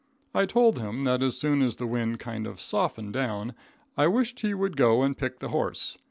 I told him that as soon as the wind kind of softened down, I wished he would go and pick the horse.